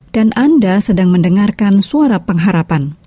anda sedang mendengarkan suara pengharapan